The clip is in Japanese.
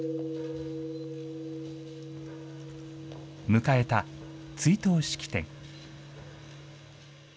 迎えた追悼式典。